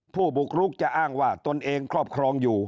บุกรุกจะอ้างว่าตนเองครอบครองอยู่